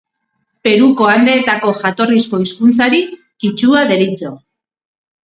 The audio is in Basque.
Peruko Andeetako jatorrizko hizkuntzari kitxua deritzo.